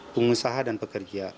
pengusaha dan pekerja